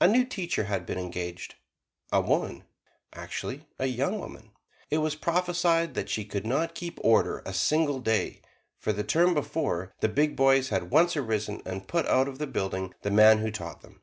A new teacher had been engaged a woman, actually a young woman. It was prophesied that she could not keep order a single day, for the term before, the big boys had once arisen and put out of the building the man who taught them.